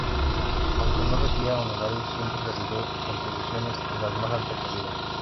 Aunque no recibía honorarios siempre realizó contribuciones de la más alta calidad.